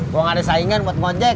gue gak ada saingan buat ngojek